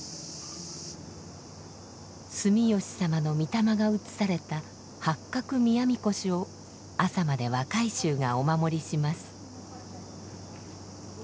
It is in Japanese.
住吉様の御霊が移された八角宮神輿を朝まで若衆がお守りします。